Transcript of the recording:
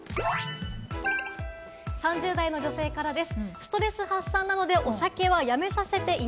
３０代の女性からです。